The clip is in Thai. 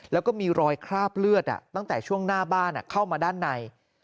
แล้วก็มีรอยคราบเลือดตั้งแต่ช่วงหน้าบ้านเข้ามาด้านใน